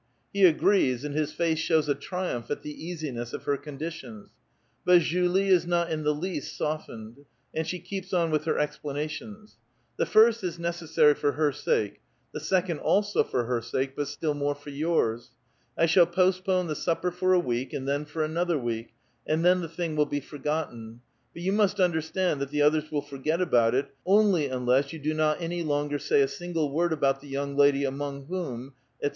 He agi*ees, and his face shows A triumph at the easiness of her conditions ; but Julie is not in the least softened, and she keeps on with her explana tions. "The first is necessary for her sake; the second also for her sake, but still more for jours. I shall postpone the supper for a week, and then for another week ; and then the thing will be forgotten : but you must understand that the others will forget about it only unless yon do not any longer say a single word about the young lady about whom, etc."